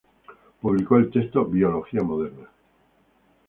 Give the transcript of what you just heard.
Publicó el texto "Biología Moderna".